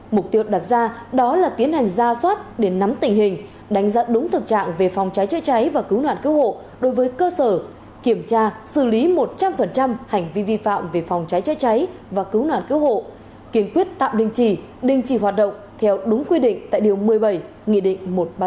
mục tiêu đặt ra đó là tiến hành ra soát để nắm tình hình đánh giá đúng thực trạng về phòng cháy chữa cháy và cứu nạn cứu hộ đối với cơ sở kiểm tra xử lý một trăm linh hành vi vi phạm về phòng cháy chữa cháy và cứu nạn cứu hộ kiên quyết tạm đình chỉ đình chỉ hoạt động theo đúng quy định tại điều một mươi bảy nghị định một trăm ba mươi